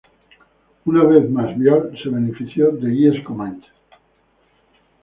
Una vez más, Vial se benefició de guías comanches.